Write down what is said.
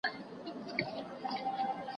دا جواب ورکول له هغه مهم دي!؟